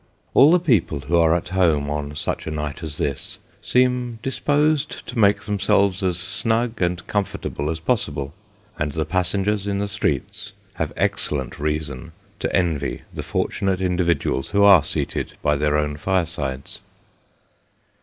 All the people who are at home on such a night as this, seem disposed to make themselves as snug and comfortable as possible ; and the passengers in the streets have excellent reason to envy the fortunate individuals who are seated by their own firesides.